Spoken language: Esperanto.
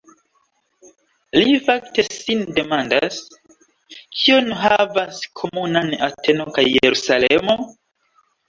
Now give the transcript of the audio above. Li fakte sin demandas: "Kion havas komunan Ateno kaj Jerusalemo?